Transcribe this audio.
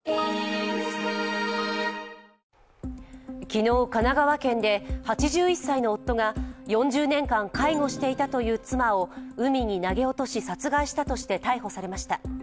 昨日神奈川県で８１歳の夫が４０年間介護していたという妻を海に投げ落とし、殺害したとして逮捕されました。